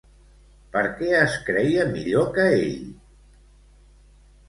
Per què es creia millor que ell?